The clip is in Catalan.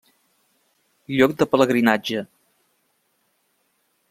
Lloc de pelegrinatge.